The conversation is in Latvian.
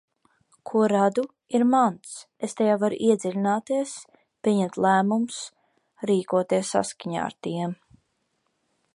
Ko radu, ir mans, es tajā varu iedziļināties, pieņemt lēmumus, rīkoties saskaņā ar tiem.